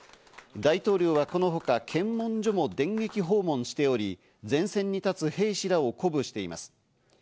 大統領はこのほか検問所も電撃訪問しており、前線に立つ兵士らを鼓舞しています。